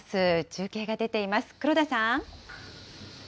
中継が出ています。